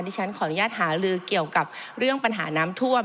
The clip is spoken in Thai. ฉันขออนุญาตหาลือเกี่ยวกับเรื่องปัญหาน้ำท่วม